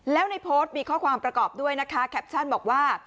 แล้วในโพสต์มีข้อความประกอบด้วยนะคะแคปชั่นบอกว่า